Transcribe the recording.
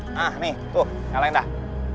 nah nih tuh ngeleng dah